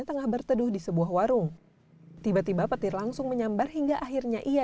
tengah berteduh di sebuah warung tiba tiba petir langsung menyambar hingga akhirnya ia